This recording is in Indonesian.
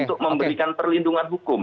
untuk memberikan perlindungan hukum